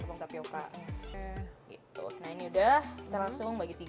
tepung tapioka gitu nah ini udah terlangsung bagi tiga